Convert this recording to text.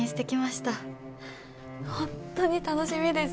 本当に楽しみです。